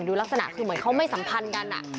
ลักษณะคือเหมือนเขาไม่สัมพันธ์กัน